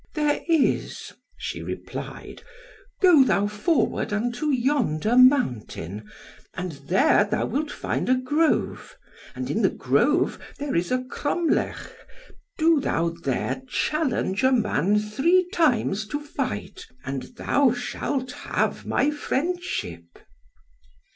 "There is," she replied. "Go thou forward unto yonder mountain, and there thou wilt find a grove; and in the grove there is a cromlech, do thou there challenge a man three times to fight, and thou shalt have my friendship."